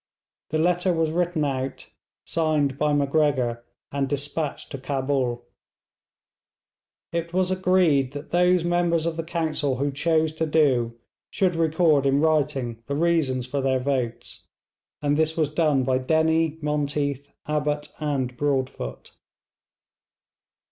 The letter was written out, signed by Macgregor, and despatched to Cabul. It was agreed that those members of the council who chose to do should record in writing the reasons for their votes, and this was done by Dennie, Monteath, Abbott, and Broadfoot.